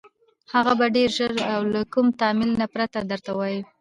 هغه به ډېر ژر او له كوم تأمل نه پرته درته ووايي: